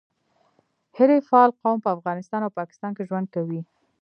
حریفال قوم په افغانستان او پاکستان کي ژوند کوي.